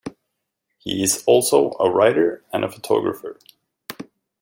He is also a writer and photographer.